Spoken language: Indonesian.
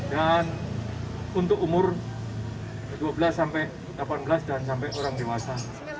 dan untuk umur dua belas sampai delapan belas dan sampai orang dewasa